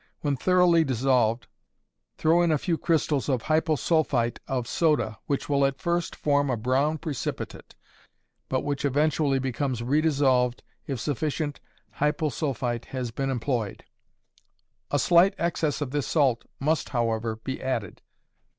When thoroughly dissolved, throw in a few crystals of hyposulphite of soda, which will at first form a brown precipitate, but which eventually becomes redissolved if sufficient hyposulphite has been employed. A slight excess of this salt must, however, be added.